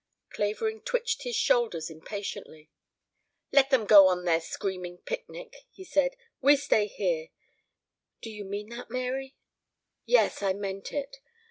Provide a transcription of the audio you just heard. Clavering twitched his shoulders impatiently. "Let them go on their screaming picnic," he said. "We stay here. Did you mean that, Mary?" "Yes, I meant it.